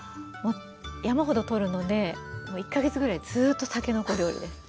山ほど取るので１か月ぐらいずっとたけのこ料理です。